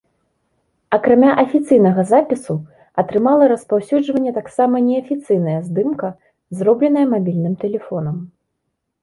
Акрамя афіцыйнага запісу атрымала распаўсюджванне таксама неафіцыйная здымка, зробленая мабільным тэлефонам.